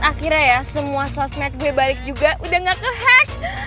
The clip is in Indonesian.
akhirnya ya semua sosmed gue balik juga udah gak ke hack